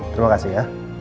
terima kasih ya